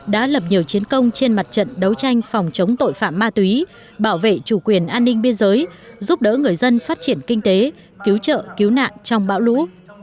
đã lập nhiều chiến công trên mặt trận đấu tranh phòng chống tội phạm ma túy bảo vệ chủ quyền an ninh biên giới giúp đỡ người dân phát triển kinh tế cứu trợ cứu nạn trong bão lũ